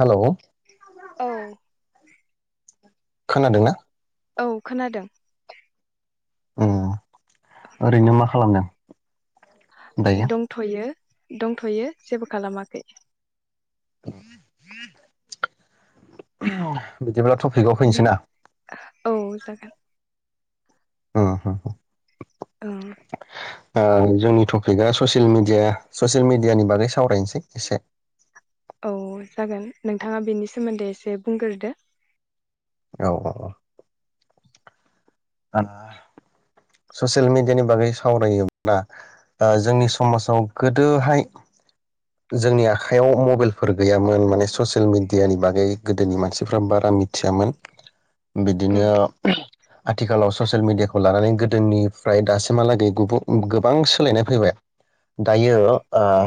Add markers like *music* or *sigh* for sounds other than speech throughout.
Hello औ। खोनादोंना? औ खोनादों। ओम ओरैनो मा खालामदों? दायो दंथ'यो। दंथ'यो जेबो खालामाखै। *inaudible* बिदिब्लाथ' बे औ जागोन। आ हा औ *inaudible* आं जोंनि टपिकआ ससियेल मिडिया ससियेल मिडियानि बागै सावरायनोसै एसे। औ जागोन नोंथाङा बेनि सोमोन्दै एसे बुंग्रोदो। औ औ। ससियेल मिडियानि बागै सावरायोब्ला ओ जोंनि समाजाव गोदोहाय जोंनि आखाइयाव मबाइलफोर गैयामोन माने ससियेल मिडियानि बागै गोदोनि मानसिफ्रा बारा मिथियामोन। औ बिदिनो थिखालाव ससियेल मिडियाखौ लानानै गो दोनिफ्राय दासिमहालागै गुबु गोबां सोलायनाय फैबाय दायो ओ औ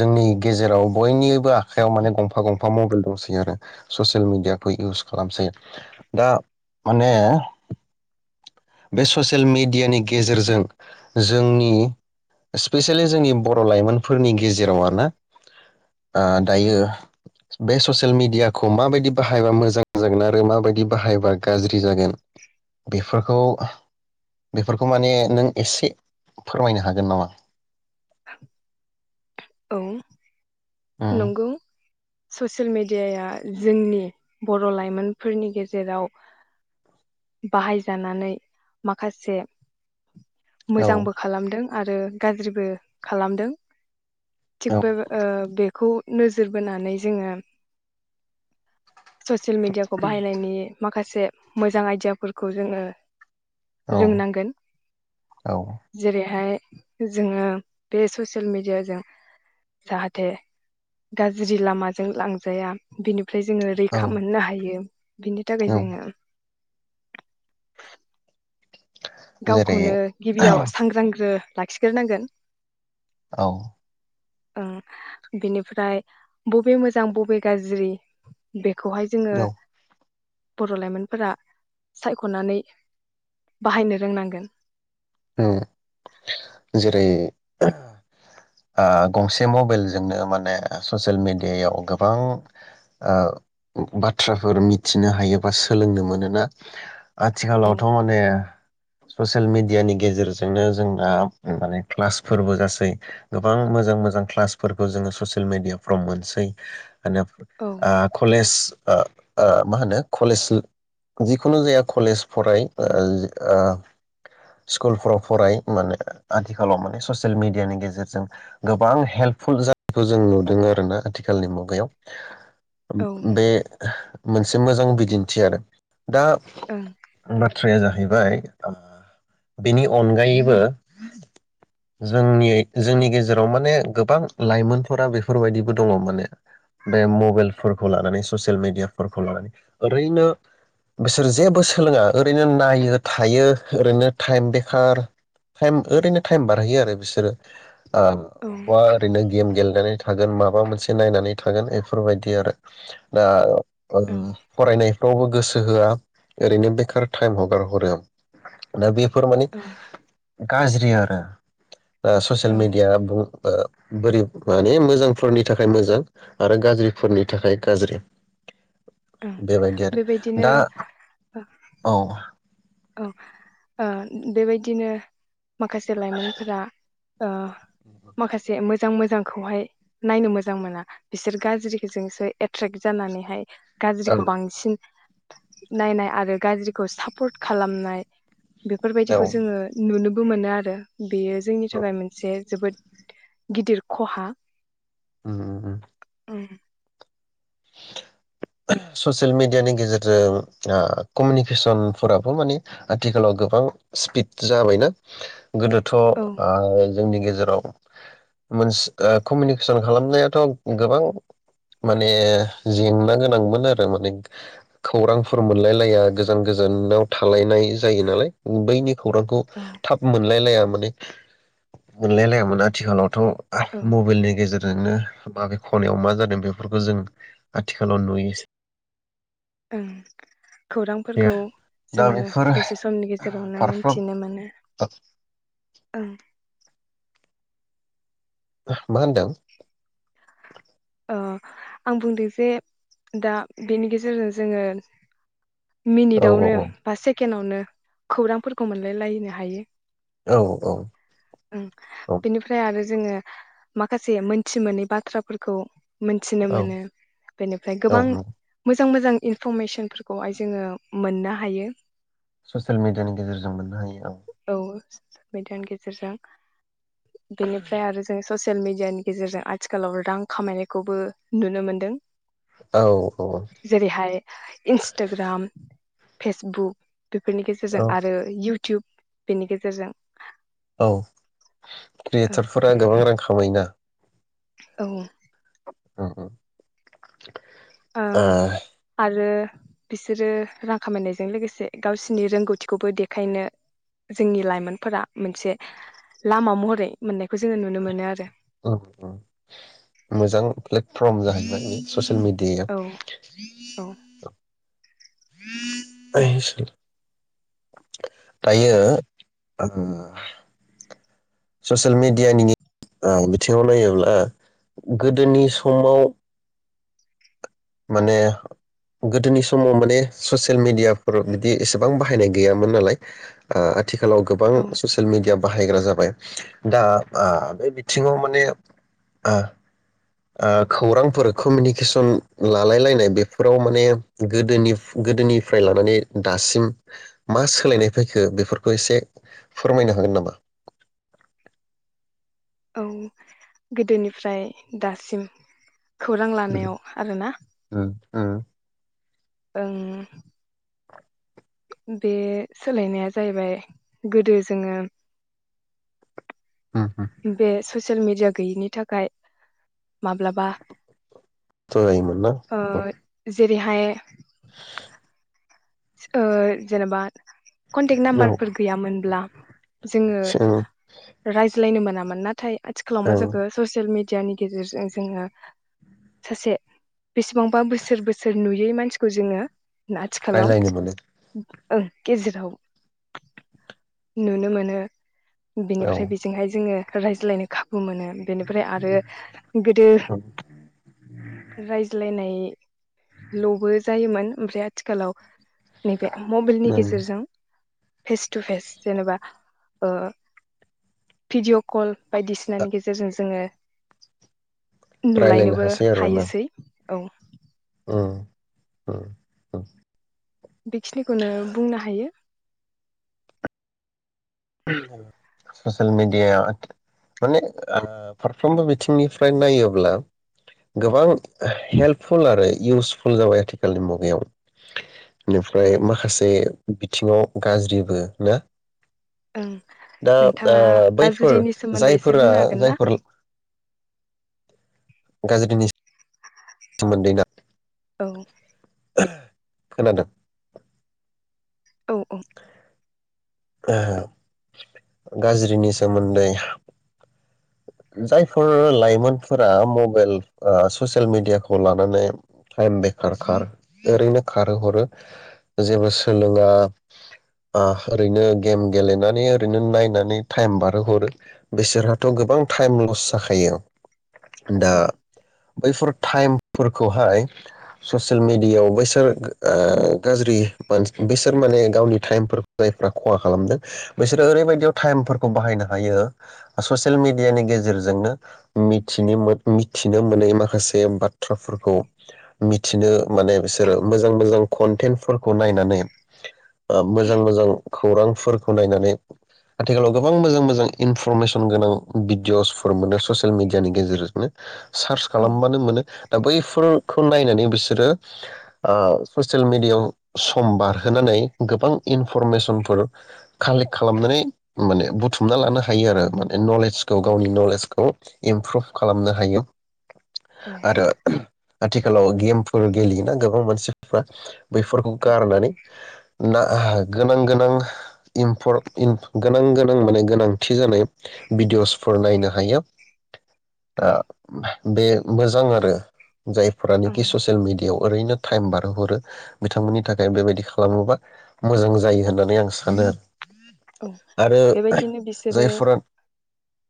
जोंनि गेजेराव बयनिबो आखाइयाव माने गंफा गंफा मबाइल दंसै आरो ससियेल मिडियाखौ इउस खालामसै दा माने बे ससियेल मेडियानि गेजेरजों जोंनि स्पेसियेलि जोंनि बर' लाइमोनफोरनि गेजेराव आरोना ओ औ दायो बे ससियेल मिडियाखौ माबायदि बाहायबा मोजां जागोन आरो माबायदि बाहायबा गाज्रि जागोन बेफोरखौ बेफोरखौ माने नों एसे फोरमायनो हागोन नामा? औ। उम नंगौ। ससियेल मेडियाया जोंनि बर' लाइमोनफोरनि गेजेराव बाहायजानानै माखासे औ मोजांबो खालामदों। आरो गाज्रिबो खालामदों। थिग बेबा ओ खौ नोजोर बोनानै जोङो ससियेल मिडियाखौ बाहायनायनि माखासे मोजां आइडियाफोरखौ जोङो औ रोंनांगोन औ जेरैहाय जोङो बे ससियेल मिडियाजों जाहाथे गाज्रि लामाजों लांजाया बिनि ओमफ्राय जोङो औ रैखा मोननो हायो बिनि थाखाय औ जोङो जेरै गावखौनो गिबियाव सांग्रांग्रो लाखिग्रोनांगोन औ। उह बिनिफ्राय बबे मोजां बबे गाज्रि बे खौहाय जोङो बर' लाइमोनफोरा सायख'नानै बाहायनो रोंनांगोन उम जेरै गंसे मबाइलजोंनो माने ससियेल मिडियायाव गोबां ओ बाथ्राफोर मिथिनो हायोबा सोलोंनो मोनोना आथिखालावथ' माने ससियेल मिडियानि गेजेरजोंनो जोंना माने क्लासफोरबो जासै गोबां मोजां मोजां क्लासफोरखौ जोङो ससियेल मेडियाफ्राव मोनसै रैनो औ ओ कलेज ओ ओ मा होनो कलेज जिखुनु जाया कलेज फराय ओह ओह स्कुलफ्राव फराय माने आथिखालाव माने ससियेल मिेडियानि गेजेरजों गोबां हेल्पफुल जानायखौ जों नुदों आर ना आथिखालनि मुगायाव औ ओं उम बे मोनसे मोजां बिदिन्थि आरो दा औ ओम बाथ्राया जाहैबाय ओह बेनि अनगायैबो जोंनि जोंनि गेजेराव माने गोबां लाइमोनफोरा बेफोरबायदिबो दङ। माने बे मबाइलफोरखौ लानानै ससियेल मेडियाफोरखौ लानानै ओरैनो बिसोर जेबो सोलोङा ओरैनो नायो थायो ओरैनो टाइम बेखार टाइम ओरैनो टाइम बारहोयो आरो बिसोरो ओह अबेबा औ ओरैनो गेम गेलेनानै थागोन माबा मोनसे नायनानै थागोन बा एफोरबायदि आरो दा औ उम फरायनायफ्रावबो गोसो होआ ओरैनो बेखार टाइम हगार हरो। *inaudible* फोरमानि गाज्रियारा ससियेल औ मिडिया बुं ओ बोरै माने मोजांफोरनि थाखाय मोजां आरो गाज्रिफोरनि थाखाय गाज्रि। ओं बेबायदि आरो बेबायदिनो दा औ औ ओ बेबायदिनो माखासे लाइमोनफोरा ओ माखासे मोजां मोजांखौहाय नायनो मोजां मोना बिसोर गाज्रिजोंसो एट्रेक्ट जानानैहाय औ गाज्रिखौ बांसिन नायनाय आरो गाज्रिखौ सापर्ट खालामनाय औ बेफोरबायदिखौ जोङो नुनोब मोनो आरो बेयो जोंनि औ थाखाय मोनसे जोबोद गिदिर खहा। उम उम उम। उम। ससियेल मिडियानि गेजेरजों ओ कमिउनिकेसनफोराबो मानि आथिखालाव गोबां स्पिड जाबायना। गोदोथ' औ ओ जोंनि गेजेराव मोनसे कमिउनिकेसन खालामनायाथ' गोबां माने जेंना गोनां थांमोन आरो खौरांफोर मोनलाय लाया गोजान गोजानाव थालायनाय जायो नालाय बैनि खौरांखौ थाब मोनलायलायामोन। मोनलायलायामोन आथिखालावथ' औ मबाइलनि गेजेर जोंनो माबे खनायाव मा जादों बेफोरखौ जों आथिखालाव नुयो। *inaudible* ओं खौरांफोरखौ दा जोङो बेफोर दसे समनि गेजेरावनो फारफ्रोम मोनथिनो मोनो ओं। मा होनदों? अह आं बुंदों जे दा बेनि गेजेरजों जोङो औ मिनिटावनो औ बा सेकेण्डावनो खौरांफोरखौ मोनलायलायनो हायो। औ ओं बिनिफ्राय आरो जोंङो माखासे मोनथि मोनै बाथ्राफोर खौ मोनथिनो औ औ मोनो बेनिफ्राय गोबां औ मोजां मोजां इनफरमेसनफोरखौहाय जोङो मोननो हायो। ससियेल मिडियानि गेजेरजों मोननो हायो औ। *unintelligible* गेजेरजों बेनिफ्राय आरो जों ससियेल मिडियानि गेजेरजों आथिखालाव रां खामायनायखौबो नुनो मोनदों औ औ जेरैहाय इनस्टग्राम फेसबुक बेफोरनि गेजेरजों औ आरो इउ इउटुब बेनि गेजेरजों औ क्रियेटरफोरा गोबां रां खामायोना? औ। अउ अउ। ओ आरो। बिसोरो रां खामायनायजों लोगोसे गावसिनि रोंगौथिखौबो देखायनो जोंनि लाइमोनफोरा मोनसे लामा महरै मोननायखौ जोङो नुनो मोनो आरो। मोजां प्लेटफर्म जाहैबाय। ससिल मिडिया औ औ दायो ओ ससियेल मिडियानि ओ बिथिङाव नायोब्ला गोदोनि समाव माने गोदोनि समाव माने ससियेल मिडियाफोराव बिदि एसेबां बाहायनाय गैयामोन नालाय। आथिखालाव गोबां औ ससियेल मिडिया बाहायग्रा जाबाय दा बे बिथिङाव माने खौरांफोर कमिउनिकेसन लालायलायनाय बेफोराव माने गोदोनि गोदोनिफ्राय लानानै दासिम मा सोलायनाय फैखो बेफोरखौ एसे फोरमायनो हागोन नामा। औ गोदोनिफ्राय दासिम खौरां लानायाव आरोना ओं। *inaudible* बे सोलायनाया जाहैबाय गोदो जोङो। बे स ससियेल मिडिया गैयिनि थाखाय माब्लाबा। जायमोना ओ *inaudible* जेरैहाय आ जेनबा। कनटेक्ट नाम्बारफोर गैयामोनब्ला जोङो जों रायज्लायनो मोन *unintelligible* नाथाय आथिखालाव औ मा जाखो ससियेल मि मिडियानि गेजेरजों जोङो सासे बेसेबांबा बोसोर बोसोर नुयो बेै मानसिखौ जोङो। आथिखालाव। रायलायनो मोनो ओं गेजेराव। नुनो मोनो। औ बिनिफ्राय बेजोंहाय जोङो। रायज्लायनो खाब। बे मोनो बेनिफ्राय आरो गोदो रायज्लायनाय। लबो जायोमोन ओमफ्राय आथिखालाव नैबे मबाइलनि ओं गेजेरजों। Face to face. जेनेबा पिदिय कल बायदिसिनानि गेजेरजों जोङो रायलायनो नुलायनोबो हासै हायोसै। औ। ओं ओ‌ ओ। बेखिनिखौनो बुंनो हायो। *unintelligible* ससियेल मेडिया माने ओ फारफ्रोमबो बिथिंनिफ्राय नायोब्ला गोबां हेल्पफुल आरो इउसफुल जाबाय आथिखालनि मुगायाव औ बेनिफ्राय माखासे। बिथिङाव गाज्रिबो ना ओं दा ओ नोंथाङा बैफोर गाज्रिनि सोमोन्दै एसे जायफोरा बुंनो हागोन ना? जायफोर गाज्रिनि सोमोनदैना औ। *unintelligible* खोनादों। औ औ। गाज्रिनि सोमोन्दै जायफोर लाइमोनफोरा मबाइल ओ ससियेल मिडियाखौ लानानै टाइम बेखार ओरैनो खारहोहरो जेबो सोलोङा ओ ओरैनो गेम गेलेनानै ओरैनो नायनानै टाइम बारहोहरो बिसोरहाथ' गोबां टाइम लस जाखायो। दा औ बैफोर टाइमफोरखौहाय ससियेल मिडियायाव बैसोर गाज्रि मानसि बैसोर माने गावनि टाइम जायफ्रा खहा खालामदों बिसोरो ओरैबायदियाव टाइमफोरखौ बाहायनो हायो ससियेल मि मिडियानि गेजेरजोंनो मिथिनो मो मिथिनो मोनै माखासे बाथ्राफोरखौ मिथिनो माने बिसोरो मोजां मोजां कनटेन्टफोरखौ नायनानै मोजां मोजां खौरांफोरखौ नायनानै आथिखालाव गोबां मोजां मोजां इनफरमेसन गोनां भिदिअ'सफोर मोनो ससियेल मिडियानि गेजेरजोंनो सार्च औ खालामबानो मोनो दा बैफोर खौ नायनानै बिसोरो ओ ससेेल मेडियायाव सम बारहोनानै गोबां इनफरमेसनफोर कालेक्ट खालामनानै माने बुथुमना लानो हायो आरो खौ औ गावनि नलेजखौ इमप्रुभ खालामनो हायो। औ आरो आथिखालाव गेमफोर गेलेयोना गोबां मानसिफ्रा बेफोरखौ औ गारनानै ना आहा गोनां गोनां इनफर इन गोनां गोनां माने गोनांथि जानाय बिडिअस नायनो हायोब औ *unintelligible* बे मोजां आरो औ जायफोरानोखि ससियेल मिडियायाव ओरैनो टाइम बारहोहरो बिथांमोननि थाखाय बेबायदि खालामोबा मोजां जायो होननानै आं सानो आरो औ बेबायदिनो बिसोरो। जायफोरा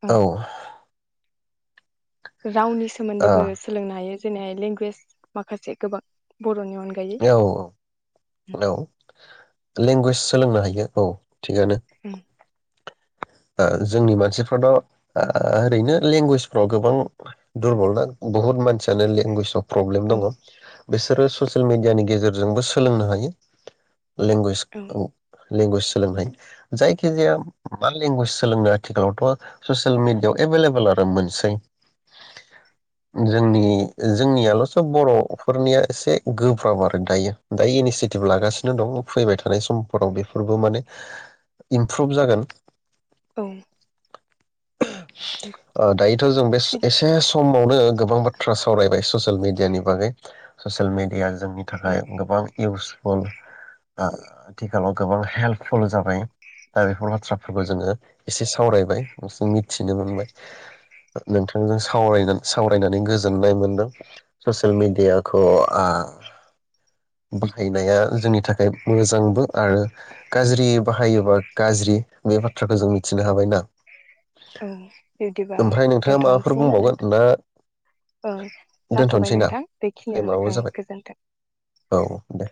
ओं औ। रावनि औ सोमोन्दैबो सोलोंनो हायो। जेनैहाय लेंगुवेज माखासे गोबां बर'नि अन औ औ लेंगुवेज सोलोंनो हायो औ थिगानो। औ ओ जोंनि मानसिफ्राथ ओ ओरैनो लेंगुवेजफ्राव गोबां दुरबल दा बुहुत मानसियानो लेंगुवेजाव प्रब्लेम औ दङ। बिसोरो ससियेल मिडियानि गेजेरजोंबो सोलोंनो हायो। औ लेंगुवेजखौ लेंगुवेज सोलोंनाय जायखिजाया बा लेंगुवेज सोलोंनो आथिखालावथ' ससियेल मिडियायाव एभेल एभेले आरो मोनसै। जोंनि जोंनियाव सब बर' फोरनिया एसे गोब्राब आरो दायो दायो इनिसियेटिभ लागासिनो दं फैबाय थानाय समफोराव बेफोरबो माने इमप्रुभ जागोन। औ ओ दायोथ' जों बे एसे सम बावनो गोबां बाथ्रा सावरायबाय ससियेल मिडियानि बागै ससेल मिदिया जोंनि थाखाय गोबां इउस *unintelligible* ओ आथिखालाव गोबां हेल्पफुल जाबाय दा बेफोर बाथ्रा होबा जोङो एसे सावरायबाय मिथिनो मोनबाय नोंथांजों सावगोन सावरायनानै गोजोननाय मोनदों ससियेल मेडियाखौ आ बाहायनाया जोंनि थाखाय मोजांबो आरो गाज्रि बाहायोबा गाज्रि। बे बाथ्राखौ जों मिथिनो हाबायना औ बिदिबा ओमफ्राय नोंथाङा माबाफोर दोनथ'नोसैना बुंबावगोन ना नोंथां ओ जाथ'बाय दोनथ'नोसै ना नोंथां बेखिनियावनो टाइमाबो ओं जाबाय गोजोन्थों। औ दे।